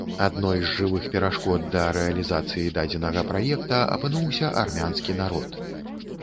Адной з жывых перашкод да рэалізацыі дадзенага праекта апынуўся армянскі народ.